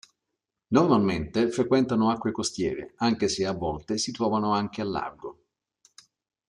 Normalmente frequentano acque costiere anche se a volte si trovano anche al largo.